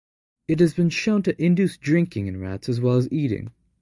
It has been shown to induce drinking in rats as well as eating.